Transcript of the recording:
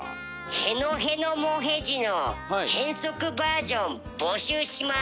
「へのへのもへじ」の変則バージョン募集します。